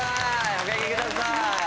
おかけください